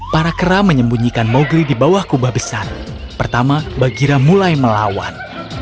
para kera menyembunyikan mowgri di bawah kubah besar pertama bagira mulai melawan